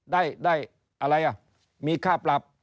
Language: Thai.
ได้อะไรอ่ะมีค่าปรับ